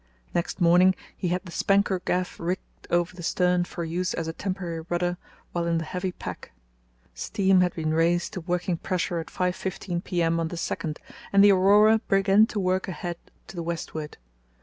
Next morning he had the spanker gaff rigged over the stern for use as a temporary rudder while in the heavy pack. Steam had been raised to working pressure at 5.15 p.m. on the 2nd, and the Aurora began to work ahead to the westward.